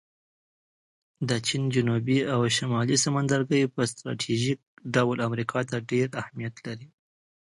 د چین جنوبي او شمالي سمندرګی په سټراټیژیک ډول امریکا ته ډېر اهمیت لري